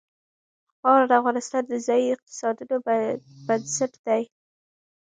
واوره د افغانستان د ځایي اقتصادونو یو بنسټ دی.